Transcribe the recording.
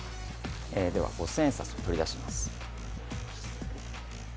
では五千円札を取り出します。